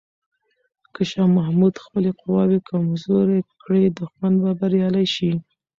که شاه محمود خپلې قواوې کمزوري کړي، دښمن به بریالی شي.